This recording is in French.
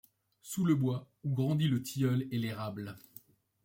Sous le bois, où grandit le tilleul et l'érable